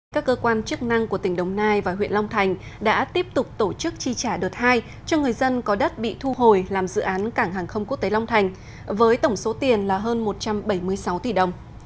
các cơ quan chức năng của tỉnh đồng nai và huyện long thành đã tiếp tục tổ chức chi trả đợt hai cho người dân có đất bị thu hồi làm dự án cảng hàng không quốc tế long thành với tổng số tiền là hơn một trăm bảy mươi sáu tỷ đồng